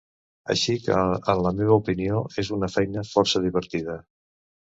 Així que, en la meva opinió, és una feina força divertida.